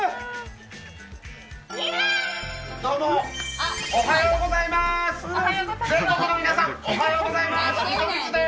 どうも、おはようございます。